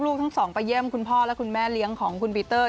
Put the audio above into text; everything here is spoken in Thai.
ทั้งสองไปเยี่ยมคุณพ่อและคุณแม่เลี้ยงของคุณปีเตอร์